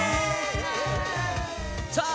さあ